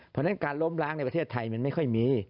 เพราะฉะนั้นการล้มล้างในประเทศไทยมันไม่ค่อยมี